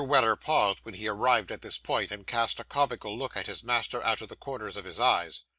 Weller paused when he arrived at this point, and cast a comical look at his master out of the corners of his eyes.